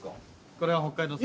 これは北海道産。